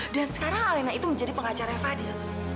dan sekarang alena itu menjadi pengacaranya fadil